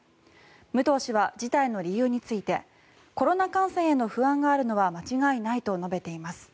武藤氏は辞退の理由についてコロナ感染への不安があるのは間違いないと述べています。